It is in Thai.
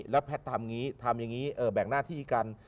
แล้วแพทย์ทำอย่างนี้ทำอย่างนี้แบ่งหน้าที่กัน